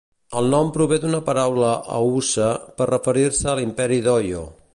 El nom prové d'una paraula haussa per referir-se a l'imperi d'Oyo.